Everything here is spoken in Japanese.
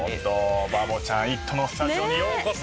バボちゃん『イット！』のスタジオにようこそ。